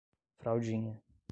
Fraldinha